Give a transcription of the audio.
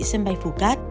sân bay phủ cát